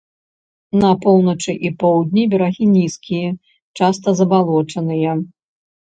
На поўначы і поўдні берагі нізкія, часта забалочаныя.